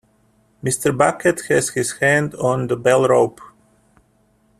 Mr. Bucket has his hand on the bell-rope.